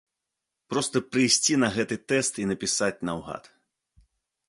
Проста прыйсці на гэты тэст і напісаць наўгад.